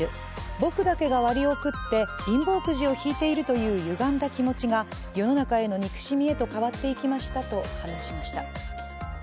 僕だけが割を食って、貧乏くじを引いているというゆがんだ気持ちが世の中への憎しみへと変わっていきましたと話しました。